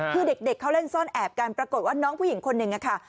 คือเด็กเขาเล่นซ่อนแอบกันปรากฏว่าน้องผู้หญิงคนหนึ่งค่ะ